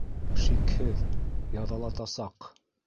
Шикһеҙ, яҙалатасаҡ!